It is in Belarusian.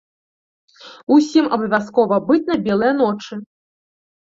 Усім абавязкова быць на белыя ночы!